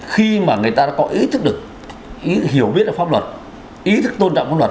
khi mà người ta đã có ý thức được hiểu biết về pháp luật ý thức tôn trọng pháp luật